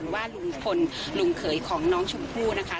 ว่าลุงพลลุงเขยของน้องชมพู่นะคะ